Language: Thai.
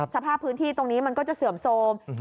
สภาพพื้นที่ตรงนี้มันก็จะเสื่อมโทรม